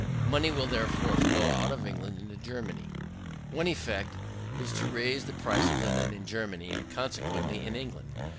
Money will, therefore, flow out of England into Germany. One effect is to raise the price of linen in Germany, and, consequently, in England.